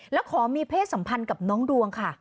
แล้วขอมีเพศสัมพันธ์กับน้องดวงค่ะ